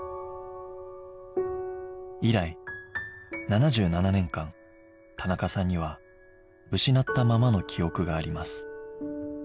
以来７７年間田中さんには失ったままの記憶があります